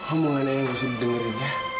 amu nganyain yang harus didengerin ya